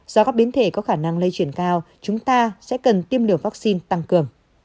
do các biến thể có khả năng lây chuyển cao chúng ta sẽ cần tiêm liều vaccine tăng cường